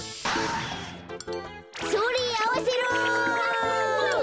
それあわせろ。